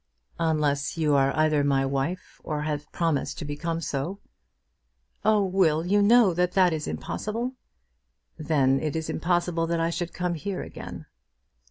"Unless you are either my wife, or have promised to become so." "Oh, Will; you know that that is impossible." "Then it is impossible that I should come here again."